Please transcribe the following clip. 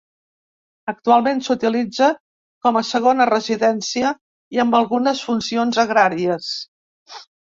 Actualment s'utilitza com a segona residència i amb algunes funcions agràries.